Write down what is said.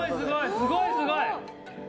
すごいすごい！